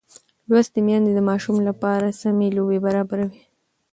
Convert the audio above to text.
لوستې میندې د ماشوم لپاره سالمې لوبې برابروي.